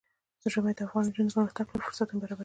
ژمی د افغان نجونو د پرمختګ لپاره فرصتونه برابروي.